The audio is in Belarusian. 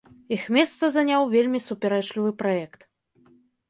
Іх месца заняў вельмі супярэчлівы праект.